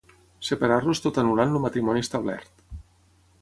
Separar-los tot anul·lant el matrimoni establert.